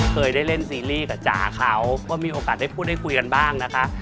เคยได้เล่นซีรีส์กับจ๋าเขาก็มีโอกาสได้พูดได้คุยกันบ้างนะคะ